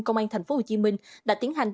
công an thành phố hồ chí minh đã tiến hành